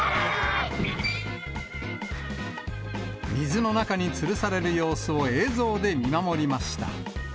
水の中につるされる様子を映像で見守りました。